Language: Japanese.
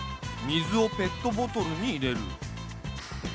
水をペットボトルに入れる。